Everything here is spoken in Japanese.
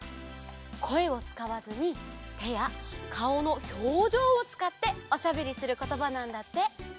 こえをつかわずにてやかおのひょうじょうをつかっておしゃべりすることばなんだって。